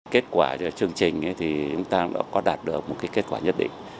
kết quả chương trình thì chúng ta đã có đạt được một kết quả nhất định